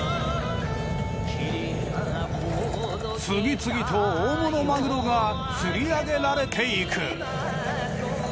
次々と大物マグロが釣り上げられていく。